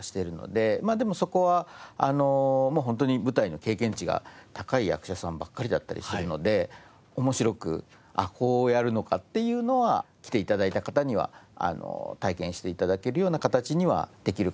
まあでもそこはホントに舞台の経験値が高い役者さんばっかりだったりするので面白くああこうやるのかっていうのは来て頂いた方には体験して頂けるような形にはできるかなと思ってます。